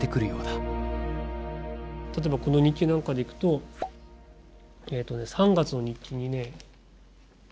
例えばこの日記なんかでいくとえとね３月の日記にね。